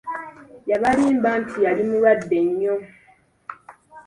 Yabalimba nti yali mulwadde nnyo!